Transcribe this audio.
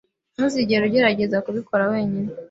Ntuzigere ugerageza kubikora wenyine.